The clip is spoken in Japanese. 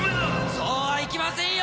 そうはいきませんよ！